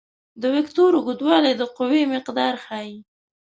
د وکتور اوږدوالی د قوې مقدار ښيي.